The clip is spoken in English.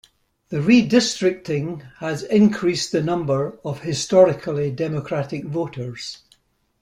The redistricting has increased the number of historically Democratic voters.